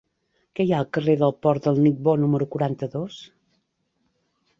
Què hi ha al carrer del Port de Ningbo número quaranta-dos?